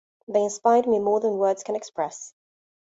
They inspired me more than words can express.